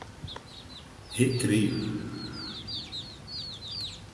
Recreio